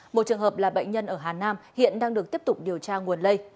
một trường hợp là bệnh nhân ở hà nam hiện đang được tiếp tục điều tra nguồn lây